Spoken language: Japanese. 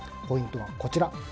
ポイントはこちら。